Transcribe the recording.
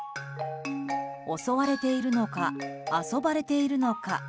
襲われているのか遊ばれているのか。